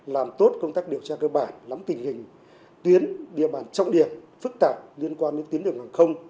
làm tốt công tác điều tra cơ bản lắm tình hình tuyến địa bàn trọng điểm phức tạp liên quan đến tuyến đường hàng không